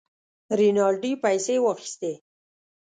رینالډي پیسې واخیستې.